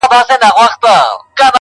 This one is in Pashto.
ستا پر لوري د اسمان سترګي ړندې دي -